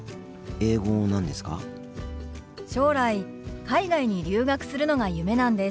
将来海外に留学するのが夢なんです。